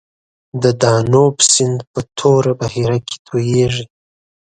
د دانوب سیند په توره بحیره کې تویږي.